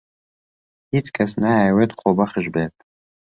هیچ کەس نایەوێت خۆبەخش بێت.